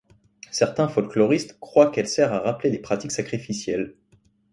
Certains folkloristes croient qu'elle sert à rappeler les pratiques sacrificielles.